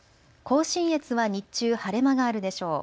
甲信越は日中、晴れ間があるでしょう。